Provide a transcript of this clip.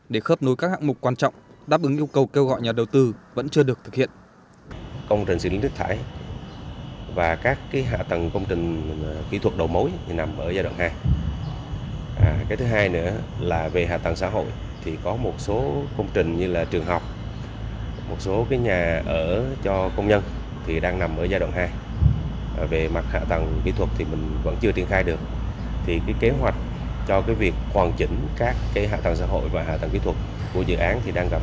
để khớp nối các hạng mục quan trọng đáp ứng yêu cầu kêu gọi nhà đầu tư vẫn chưa được thực hiện